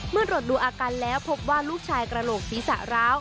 ตรวจดูอาการแล้วพบว่าลูกชายกระโหลกศีรษะร้าว